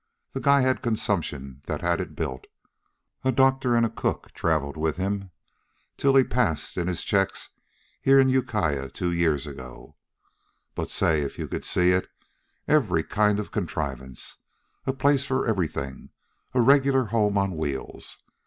The guy had consumption that had it built. A doctor an' a cook traveled with 'm till he passed in his checks here in Ukiah two years ago. But say if you could see it. Every kind of a contrivance a place for everything a regular home on wheels.